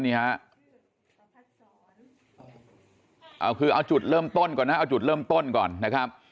นี่ฮะเอาคือเอาจุดเริ่มต้นก่อนนะเอาจุดเริ่มต้นก่อนนะครับ